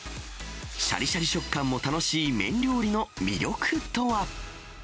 しゃりしゃり食感も楽しい麺料理の魅力とは。